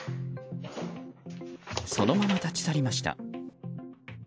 そのまま立ち去りました。